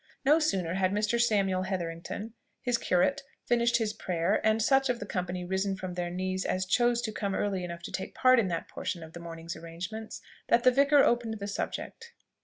No sooner had Mr. Samuel Hetherington, his curate, finished his prayer, and such of the company risen from their knees as chose to come early enough to take part in that portion of the morning's arrangements, than the vicar opened the subject.